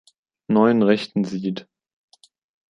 Neuen Rechten“ sieht.